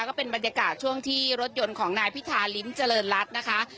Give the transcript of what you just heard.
ก็เป็นบรรยากาศช่วงที่รถยนต์ของนายพิธาลิ้มเจริญรัฐนะคะ